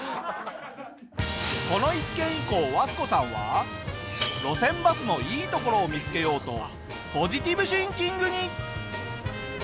この一件以降ワスコさんは路線バスのいいところを見付けようとポジティブシンキングに。